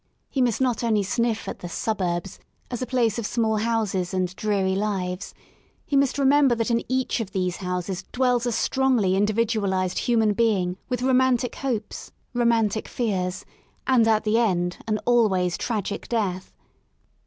— He must not only sniff at the Suburbs *' as a place of small houses and dreary lives ; he must remember that in each of these houses dwells a strongly individualised human being with romantic hopes, romantic fears, and at the end, an always tragic death.